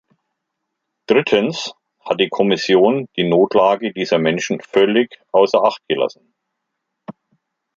Drittens hat die Kommission die Notlage dieser Menschen völlig außer Acht gelassen.